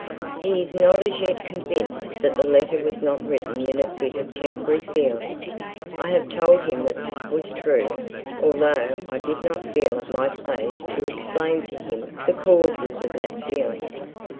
"He's not as yet convinced that the letter wasn't written in a fit of temporary feeling. I've told him that this was true; although I didn't feel it my place to explain to him the causes of that feeling.